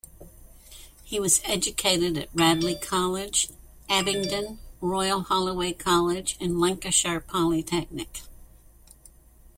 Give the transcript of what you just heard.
He was educated at Radley College, Abingdon, Royal Holloway College and Lancashire Polytechnic.